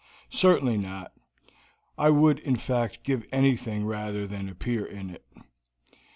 "Certainly not. I would, in fact, give anything rather than appear in it."